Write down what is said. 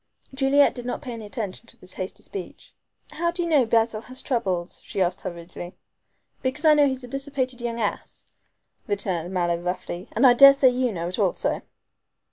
Juliet did not pay attention to this hasty speech. "How do you know Basil has troubles?" she asked hurriedly. "Because I know he's a dissipated young ass," returned Mallow roughly; "and I daresay you know it also."